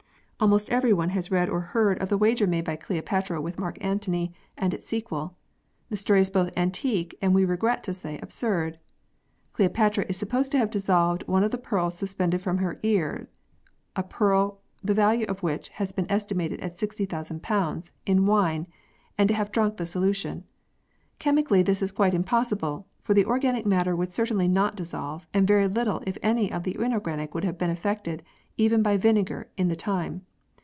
Almost everyone has read or heard of the wager ix] PEARLS IN JEWELLERY, ETC. 121 made by Cleopatra with Mark Antony and its sequel. The story is both antique and we regret to say absurd. Cleopatra is supposed to have dissolved one of the pearls suspended from her ears (a pearl, the value of which has been estimated at 60,000 !) in wine, and to have drunk the solution. Chemically, this is quite impossible, for the organic matter would cer tainly not dissolve, and very little if any of the inorganic would have been affected even by vinegar in the time.